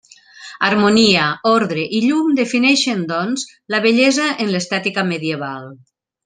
Harmonia, ordre i llum defineixen, doncs, la bellesa en l'estètica medieval.